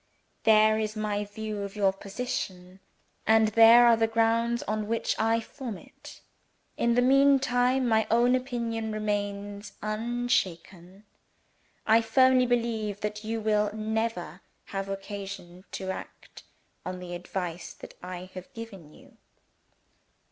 There is my view of your position, and there are the grounds on which I form it! In the meantime, my own opinion remains unshaken. I firmly believe that you will never have occasion to act on the advice that I have given to you.